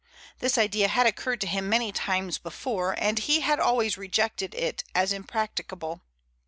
This idea had occurred to him many times before, and he had always rejected it as impracticable.